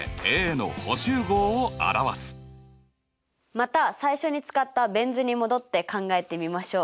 また最初に使ったベン図に戻って考えてみましょう。